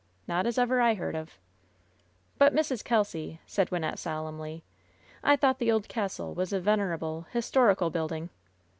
Not as ever I heard of/' "But, Mrs. Kelsy," said Wynnette, solemnly, "I thought the old castle was a venerable, historical build ing.''